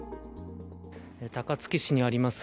高槻市にあります